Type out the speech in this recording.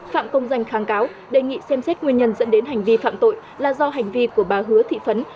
phạm công danh kháng cáo đề nghị xem xét nguyên nhân dẫn đến hành vi phạm tội là do hành vi của bà hứa thị phấn